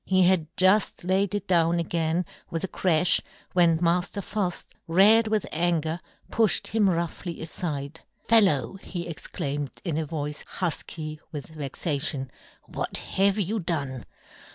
He had juft laid it down again, with a crafh, when Maf ter Fuft, red with anger, pufhed him roughly afide, " Fellow," he exclaim ed, in a voice hufky with vexation, " what have you done?"